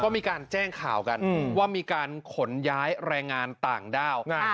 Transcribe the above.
มีการแจ้งข่าวกันว่ามีการขนย้ายแรงงานต่างด้าว